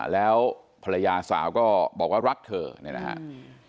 แล้วภรรยาสาวก็บอกว่ารักเธอเนี่ยนะครับ